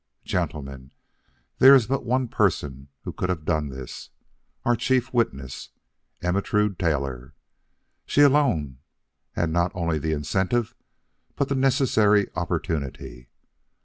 Gentlemen, there is but one person who could have done this our chief witness, Ermentrude Taylor. She alone had not only the incentive, but the necessary opportunity.